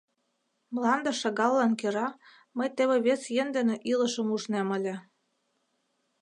Мланде шагаллан кӧра мый теве вес йӧн дене илышым ужнем ыле.